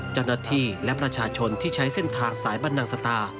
เจ้าหน้าที่และประชาชนที่ใช้เส้นทางสายบรรนังสตา